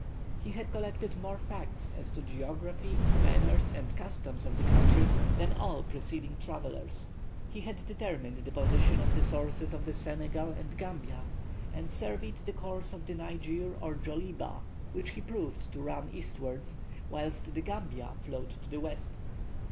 He had collected more facts as to the geography, manners, and customs of the country than all preceding travellers; he had determined the position of the sources of the Senegal and Gambia, and surveyed the course of the Niger or Djoliba which he proved to run eastwards, whilst the Gambia flowed to the west.